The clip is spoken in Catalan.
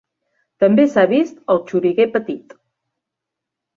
També s'ha vist el xoriguer petit.